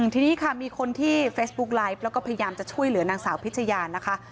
ทีนี้ค่ะมีคนที่เฟซบุ๊กไลฟ์แล้วก็พยายามจะช่วยเหลือนางสาวพิชยานะคะ